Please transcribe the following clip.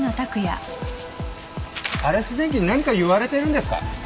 アレス電機に何か言われてるんですか？